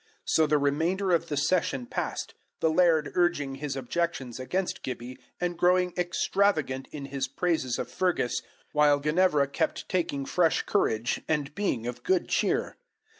So the remainder of the session passed the laird urging his objections against Gibbie, and growing extravagant in his praises of Fergus, while Ginevra kept taking fresh courage, and being of good cheer.